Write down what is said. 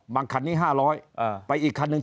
บางไขนี้๕๐๐ไปอีกครั้งนึง๗๐๐